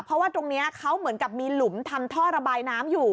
เพราะว่าตรงนี้เขาเหมือนกับมีหลุมทำท่อระบายน้ำอยู่